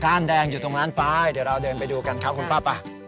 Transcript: แดงอยู่ตรงนั้นไฟล์เดี๋ยวเราเดินไปดูกันครับคุณป้าป่ะ